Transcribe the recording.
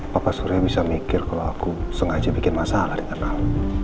papa surya bisa mikir kalau aku sengaja bikin masalah di internal